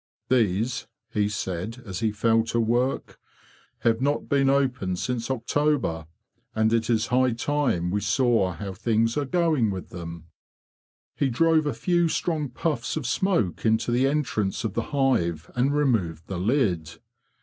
"* These,'' he said, as he fell to work, '' have not been opened since October, and it is high time we saw how things are going with them." He drove a few strong puffs of smoke into the entrance of the hive and removed the lid.